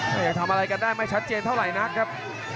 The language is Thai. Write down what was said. ยังทำอะไรกันได้ไม่ชัดเจนเท่าไหร่นักครับ